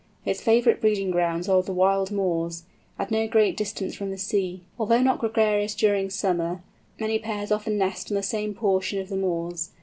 Its favourite breeding grounds are the wild moors, at no great distance from the sea. Although not gregarious during summer, many pairs often nest on the same portion of the moors.